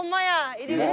「入口」。